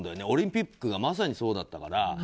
オリンピックがまさにそうだったから。